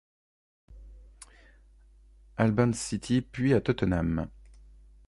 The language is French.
Albans City puis à Tottenham.